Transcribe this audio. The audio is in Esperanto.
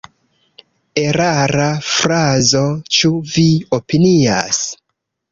Erara frazo, ĉu vi opinias?